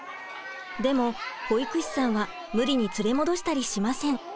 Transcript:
でも保育士さんは無理に連れ戻したりしません。